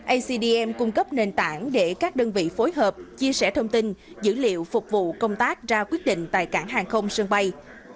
acdm cung cấp nền tảng để các đơn vị phối hợp chia sẻ thông tin dữ liệu phục vụ công tác ra quyết định tại cảng hàng không sân bay